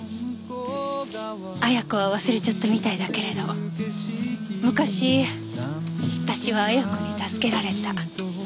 亜矢子は忘れちゃったみたいだけれど昔私は亜矢子に助けられた。